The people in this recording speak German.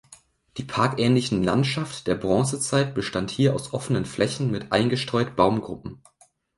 Die parkähnlichen Landschaft der Bronzezeit bestand hier aus offenen Flächen mit eingestreut Baumgruppen.